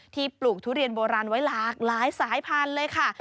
ปลูกทุเรียนโบราณไว้หลากหลายสายพันธุ์เลยค่ะ